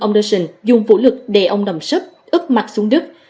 ông anderson dùng vũ lực đè ông nằm sấp ướp mặt xuống đứt